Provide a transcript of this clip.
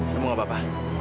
kamu gak apa apa